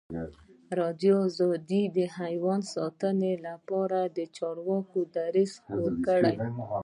ازادي راډیو د حیوان ساتنه لپاره د چارواکو دریځ خپور کړی.